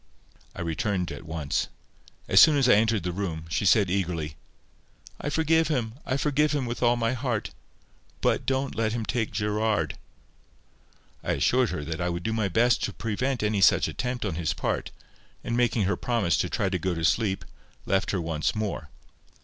I returned at once. As soon as I entered the room, she said eagerly:— "I forgive him—I forgive him with all my heart; but don't let him take Gerard." I assured her I would do my best to prevent any such attempt on his part, and making her promise to try to go to sleep, left her once more.